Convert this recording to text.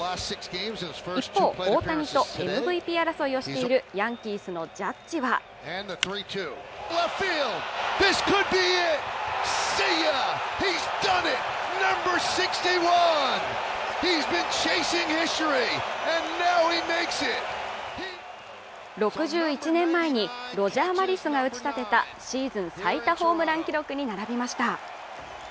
一方、大谷とＭＶＰ争いをしているヤンキースのジャッジは６１年前にロジャー・マリスが打ち立てたシーズン最多ホームラン記録に並びました。